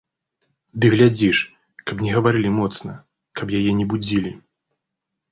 Ды глядзі ж, каб не гаварылі моцна, каб яе не будзілі.